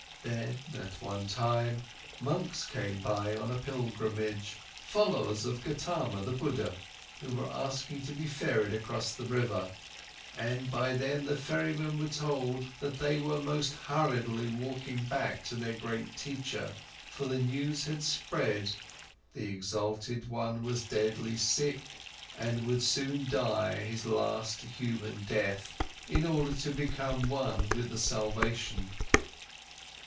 Then, at one time, monks came by on a pilgrimage, followers of Gotama, the Buddha, who were asking to be ferried across the river, and by them the ferrymen were told that they were most hurriedly walking back to their great teacher, for the news had spread the exalted one was deadly sick and would soon die his last human death, in order to become one with the salvation.